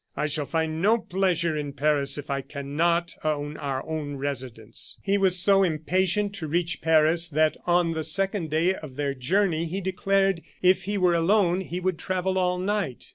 I shall find no pleasure in Paris if I cannot own our old residence." He was so impatient to reach Paris that, on the second day of their journey, he declared if he were alone he would travel all night.